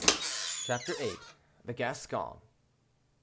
CHAPTER VIII. THE GASCON.